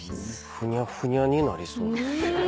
ふにゃふにゃになりそう。